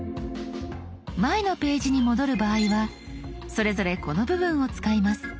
前のページに戻る場合はそれぞれこの部分を使います。